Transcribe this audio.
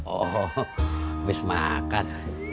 oh abis makan